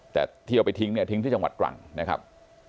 แต่ที่เอาไปทิ้งเนี่ยทิ้งที่จังหวัดตรังนะครับ